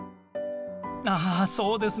ああそうですね。